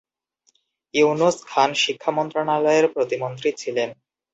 ইউনুস খান শিক্ষা মন্ত্রণালয়ের প্রতিমন্ত্রী ছিলেন।